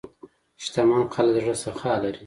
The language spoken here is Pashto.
شتمن خلک د زړه سخا لري.